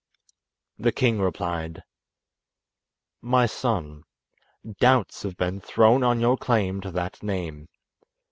The king replied: "My son, doubts have been thrown on your claim to that name.